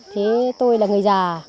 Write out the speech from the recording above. thế tôi là người già